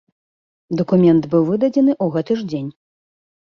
Дакумент быў выдадзены ў гэты ж дзень.